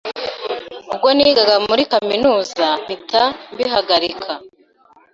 ubwo nigaga muri kaminuza mpita mbihagarika,